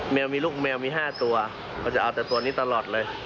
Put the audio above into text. แมวมีลูกแมวมี๕ตัวเขาจะเอาแต่ตัวนี้ตลอดเลย